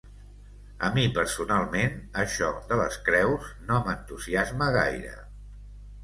A mi personalment, això de les creus no m’entusiasma gaire.